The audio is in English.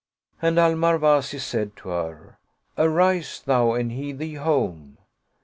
And Al Marwazi said to her, " Arise, thou, and hie thee home."